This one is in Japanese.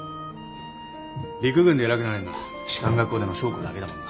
陸軍で偉くなれるのは士官学校出の将校だけだもんな。